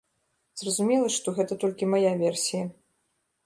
Зразумела, што гэта толькі мая версія.